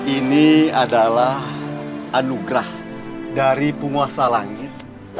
ini adalah anugerah dari penguasa langit